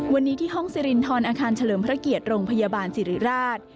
วันนี้ที่ห้องสิรินทรอาคารเฉลิมพระเกียรติโรงพยาบาลสิริราช